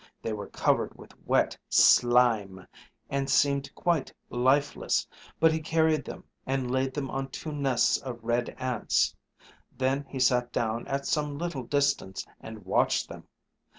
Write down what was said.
They were covered with wet slime, and seemed quite lifeless; but he carried them and laid them on two nests of red ants. Then he sat down at some little distance and watched them.